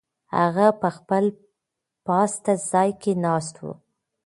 هغه په خپل پاسته ځای کې ناست و.